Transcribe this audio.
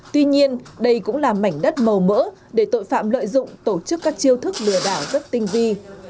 tuy nhiên đây cũng là mảnh đất màu mỡ để tội phạm lợi dụng tổ chức các chiêu thức lừa đảo rất tinh vi